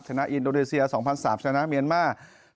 อินโดนีเซีย๒๐๐๓ชนะเมียนมาร์